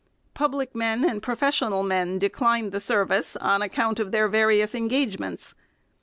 Public men and professional men decline the service on account of their various engagements.